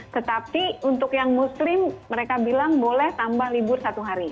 tetapi untuk yang muslim mereka bilang boleh tambah libur satu hari